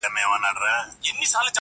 له کښتۍ سره مشغول وو په څپو کي؛